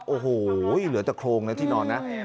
โอ้โหเหลือแต่โครงนะที่นอนนะ